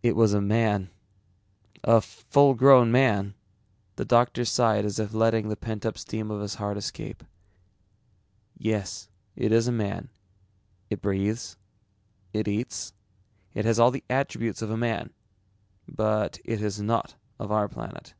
"It was a man, a full grown man." The doctor sighed as if letting the pent up steam of his heart escape. "Yes, it is a man. It breathes, it eats, it has all the attributes of a man. But it is not of our planet."